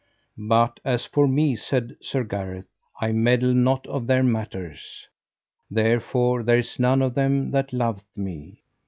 But as for me, said Sir Gareth, I meddle not of their matters, therefore there is none of them that loveth me.